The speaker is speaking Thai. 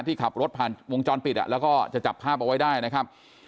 ที่ขับรถผ่านวงจรปิดแล้วก็จะจับภาพเอาไว้ได้นะครับ